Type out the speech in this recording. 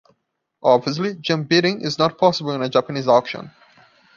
Obviously, jump-bidding is not possible in a Japanese auction.